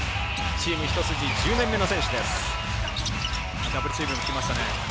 チーム一筋１０年目の選手です。